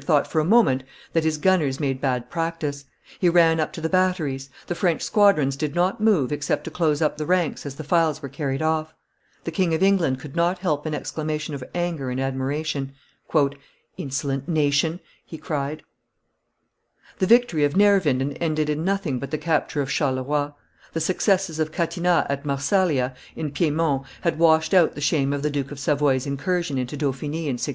thought for a moment that his gunners made bad practice; he ran up to the batteries; the French squadrons did not move except to close up the ranks as the files were carried off; the King of England could not help an exclamation of anger and admiration. "Insolent nation!" he cried. [Illustration: The Battle of Neerwinden 465] The victory of Neerwinden ended in nothing but the capture of Charleroi; the successes of Catinat at Marsaglia, in Piedmont, had washed out the shame of the Duke of Savoy's incursion into Dauphiny in 1692.